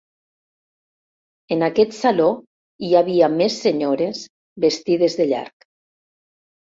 En aquest saló hi havia més senyores, vestides de llarg.